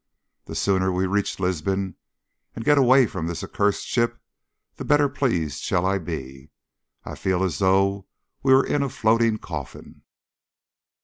The sooner we reach Lisbon and get away from this accursed ship the better pleased shall I be. I feel as though we were in a floating coffin.